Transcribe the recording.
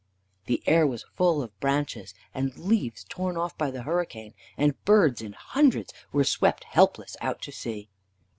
The air was full of branches and leaves torn off by the hurricane, and birds in hundreds were swept helpless out to sea.